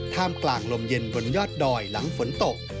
ท่ามกลางลมเย็นบนยอดดอยหลังฝนตก